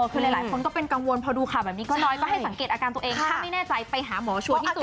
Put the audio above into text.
คือหลายคนก็เป็นกังวลพอดูข่าวแบบนี้ก็น้อยก็ให้สังเกตอาการตัวเองถ้าไม่แน่ใจไปหาหมอชัวร์พิสูจน